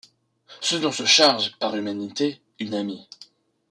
Ce dont se charge, par humanité, une amie.